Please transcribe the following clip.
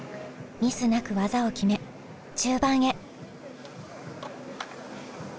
ミスなく技を決め中盤へ。